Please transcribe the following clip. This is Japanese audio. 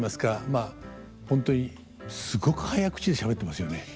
まあ本当にすごく早口でしゃべってますよね。